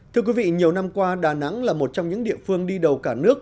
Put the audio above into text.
thưa quý vị nhiều năm qua đà nẵng là một trong những địa phương đi đầu cả nước